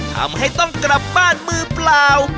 ทำให้ต้องกลับบ้านมือเปล่า